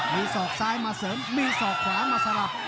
มีศอกซ้ายมาเสริมมีศอกขวามาสลับ